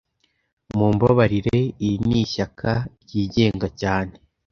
Mumbabarire, iri ni ishyaka ryigenga cyane